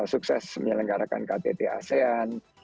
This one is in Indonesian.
sukses menyelenggarakan ktt asean